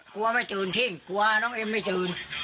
กลัวไม่ตื่นทิ้งกลัวน้องเอ็มไม่ตื่น